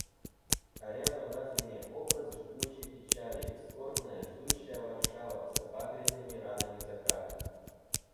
А рядом разве не образ жгучей печали, скорбная, ждущая Варшава, с обагренными ранами заката?